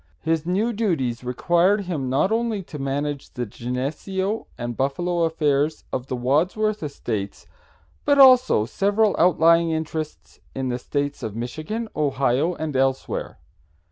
His new duties required him not only to manage the Geneseo and Buffalo affairs of the Wadsworth estates, but also several outlying interests in the States of Michigan, Ohio and elsewhere.